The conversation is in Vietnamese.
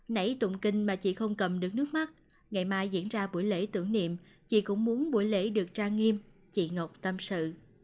nảy tụng kinh mà chị không cầm được nước mắt ngày mai diễn ra buổi lễ tưởng niệm chị cũng muốn buổi lễ được trang nghiêm chị ngọc tâm sự